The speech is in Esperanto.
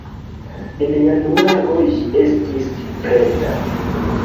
En januaro ĝi estis preta.